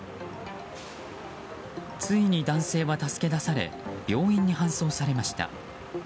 ついに男性は助け出され病院に搬送されました。